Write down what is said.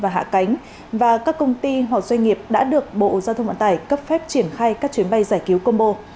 và hạ cánh và các công ty hoặc doanh nghiệp đã được bộ giao thông vận tải cấp phép triển khai các chuyến bay giải cứu combo